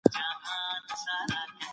موږ عددونه پر ډلو وېشو.